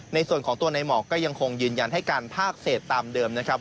ในส่วนของตัวในหมอกก็ยังคงยืนยันให้การภาคเศษตามเดิมนะครับ